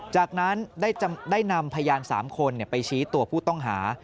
จากนั้นได้นำพยาน๓คนไปชี้ตัวผู้ต้องหา